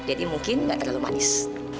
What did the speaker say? jadi mungkin gak terlalu manis